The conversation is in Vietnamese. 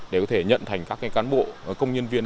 để có thể nhận thành các cán bộ công nhân viên